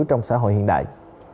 trong xã hội hiện đại